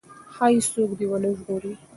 ښايي څوک دې ونه ژغوري.